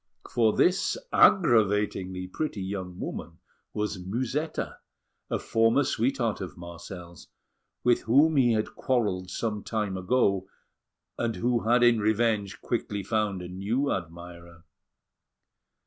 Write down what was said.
For this aggravatingly pretty young woman was Musetta, a former sweetheart of Marcel's, with whom he had quarrelled some time ago, and who had in revenge quickly found a new admirer.